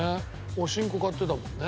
おしんこ買ってたもんね。